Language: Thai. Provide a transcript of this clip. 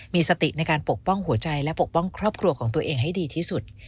มีสติในการปกป้องหัวใจและปกป้องครอบครัวของตัวเองให้ดีที่สุด